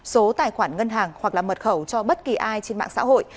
số tài khoản ngân hàng hoặc là mật khẩu cho bất kỳ ai trên mạng xã hội